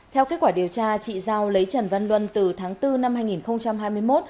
theo kết quả điều tra chị giao lấy trần văn luân từ tháng bốn năm hai nghìn hai mươi một